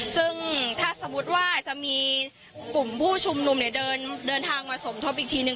ซึ่งถ้าสมมุติว่าจะมีกลุ่มผู้ชุมนุมเนี่ยเดินทางมาสมทบอีกทีนึ